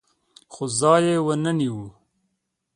خو ځای یې ونه نیو.